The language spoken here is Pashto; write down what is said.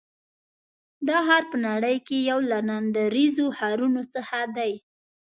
دا ښار په نړۍ کې یو له ناندرییزو ښارونو څخه دی.